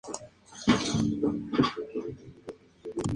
Kohei Miyazaki